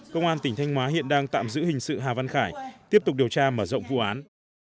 công an tỉnh thanh hóa hiện đang tạm giữ hình sự hà văn khải tiếp tục điều tra mở rộng vụ án